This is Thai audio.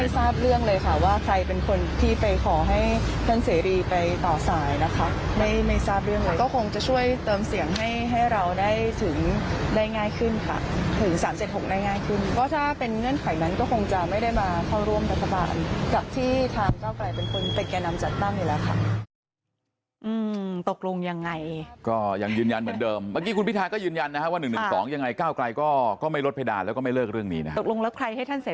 จากที่ถามเก้าไกลเป็นคนเป็นแก่นำจัดตั้งอยู่แล้วค่ะ